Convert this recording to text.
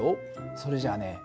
それじゃあね